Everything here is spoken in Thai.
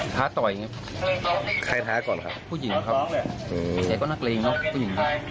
ท้าต่อยใครท้าก่อนครับผู้หญิงครับแต่ก็นักเลงเนอะผู้หญิง